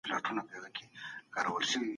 آیا تاسي په دغه کوټې کي بېدېږئ؟